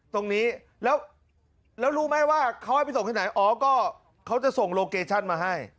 ตรงนี้แล้วรู้ไหมว่าเขาให้ไปส่งที่ไหนอ๋อก็เขาจะส่งโลเกชั่นมาให้